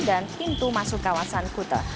dan pintu masuk kawasan kuta